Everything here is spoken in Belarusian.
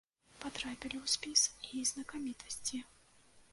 Патрапілі ў спіс і знакамітасці.